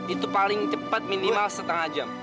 itu paling cepat minimal setengah jam